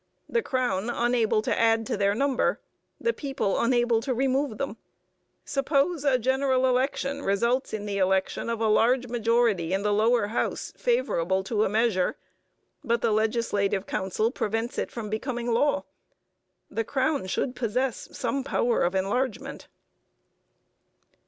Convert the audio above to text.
The crown unable to add to their number. The people unable to remove them. Suppose a general election results in the election of a large majority in the Lower House favourable to a measure, but the legislative council prevents it from becoming law. The crown should possess some power of enlargement.